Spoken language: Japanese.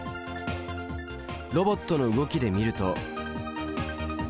ロボットの動きで見ると。